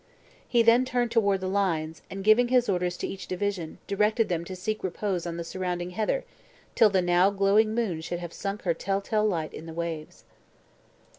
He then turned toward the lines; and, giving his orders to each division, directed them to seek repose on the surrounding heather, till the now glowing moon should have sunk her telltale light in the waves.